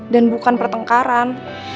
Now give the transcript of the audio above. dan bukan pertengkaran